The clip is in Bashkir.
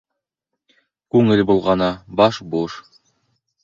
Күңел болғана, баш буш.